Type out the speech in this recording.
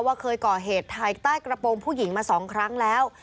ว่าเคยก่อเหตุไทยใต้กระโปรงผู้หญิงมา๒ครั้งแล้ว